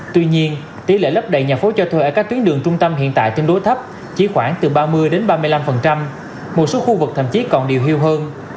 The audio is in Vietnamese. tuy nhiên tỷ lệ lấp đầy nhà phố cho thuê ở các tuyến đường trung tâm hiện tại tương đối thấp chỉ khoảng từ ba mươi ba mươi năm một số khu vực thậm chí còn điều hưu hơn